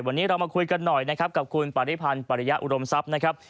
วันนี้เรามาคุยกันหน่อยนะครับกับคุณปริพันธ์ปริยะอุดมทรัพย์นะครับ